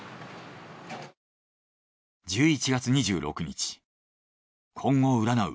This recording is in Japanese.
１１月２６日今後を占う